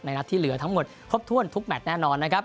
นัดที่เหลือทั้งหมดครบถ้วนทุกแมทแน่นอนนะครับ